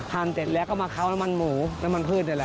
พังเต็ดแล้วก็มาเข้าน้ำมันหมูน้ำมันพืช